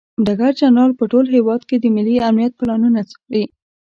ډګر جنرال په ټول هیواد کې د ملي امنیت پلانونه څاري.